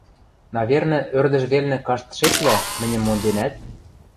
Навернӹ, ӧрдӹж велнӹ каштшетлӓ, мӹньӹм монденӓт?..